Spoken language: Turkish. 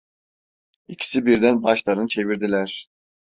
İkisi birden başlarını çevirdiler.